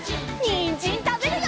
にんじんたべるよ！